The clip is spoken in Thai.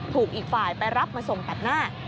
อีกฝ่ายไปรับมาส่งตัดหน้า